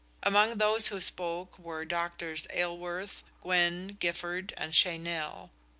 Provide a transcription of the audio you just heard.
Among those who spoke were Doctors Ailworth, Gwyn, Gifford and Cheynell.